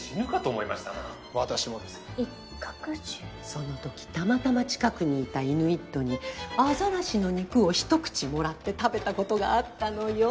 そのときたまたま近くにいたイヌイットにアザラシの肉を一口もらって食べたことがあったのよ。